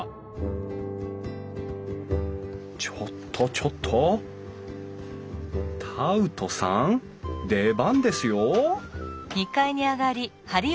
ちょっとちょっとタウトさん出番ですよ